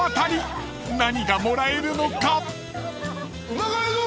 ［何がもらえるのか？］